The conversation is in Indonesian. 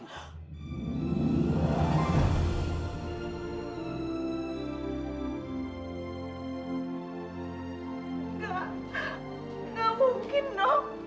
nggak nggak mungkin dok